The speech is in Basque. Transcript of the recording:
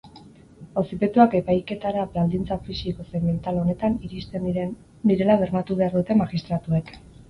Auzipetuak epaiketara baldintza fisiko zein mental onetan iristen direla bermatu behar dute magistratuek.